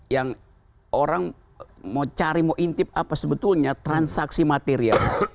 yang orang mau cari mau intip apa sebetulnya transaksi material di bawah meja apa napas